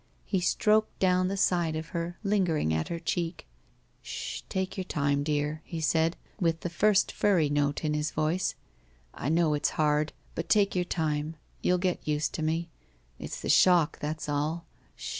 He stroked down the side of her, lingering at her cheek. Sh h! Take your time, dear," he said, with the first furry note in his voice. "I know it's hard, but take your time. You'll get used to me. It's the shock, that's all.